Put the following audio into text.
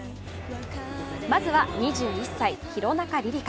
まずは、２１歳、廣中璃梨佳。